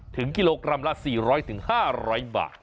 ถึงกิโลกรัมละสี่ร้อยถึงห้าร้อยบาท